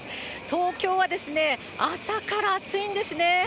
東京は朝から暑いんですね。